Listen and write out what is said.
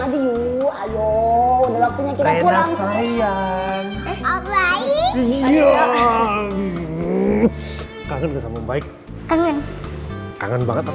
lagi yuk alo udah waktunya kita pulang sayang baik baik kangen kangen banget